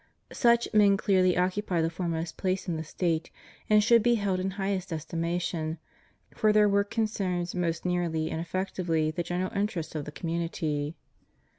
Such men clearly occupy the foremost place in the State, and should be held in highest estimation, for their work concerns most nearly and effectively the general interests of the com munity.